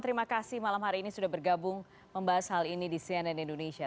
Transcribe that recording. terima kasih malam hari ini sudah bergabung membahas hal ini di cnn indonesia